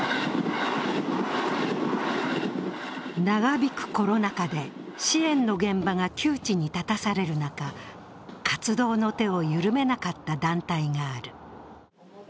長引くコロナ禍で支援の現場が窮地に立たされる中、活動の手を緩めなかった団体がある。